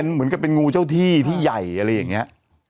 เหมือนกับเป็นงูเจ้าที่ที่ใหญ่อะไรอย่างนี้